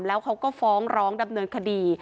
แล้วเขาก็ฟ้องร้องดำเนินคดี